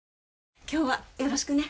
今日はよろしくね。